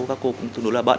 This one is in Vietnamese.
các cô cũng thường đối là bận